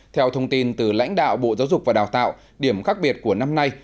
theo thông tin từ lãnh đạo bộ giáo dục và đào tạo điểm khác biệt của năm nay